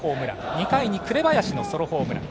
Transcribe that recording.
２回の紅林のソロホームラン。